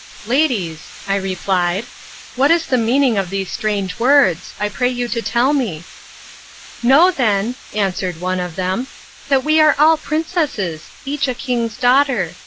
"Ladies," I replied, "what is the meaning of these strange words I pray you to tell me?" "Know then," answered one of them, "that we are all princesses each a king's daughter.